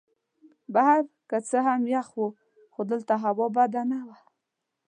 بهر که څه هم یخ وو خو دلته هوا بده نه وه.